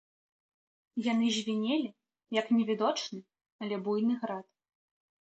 Яны звінелі, як невідочны, але буйны град.